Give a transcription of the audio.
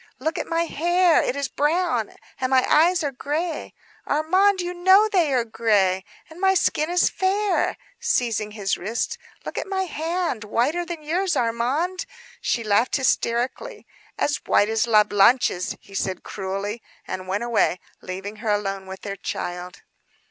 Look at my hair, it is brown; and my eyes are gray, Armand, you know they are gray. And my skin is fair," seizing his wrist. "Look at my hand; whiter than yours, Armand," she laughed hysterically. "As white as La Blanche's," he returned cruelly; and went away leaving her alone with their child.